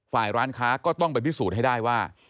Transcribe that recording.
ฝ่ายร้านค้าก็ต้องไปพิสูจน์ให้ได้ว่า